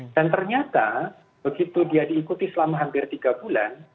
dan ternyata begitu dia diikuti selama hampir tiga bulan